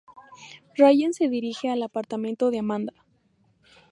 Ryan se dirige al apartamento de Amanda.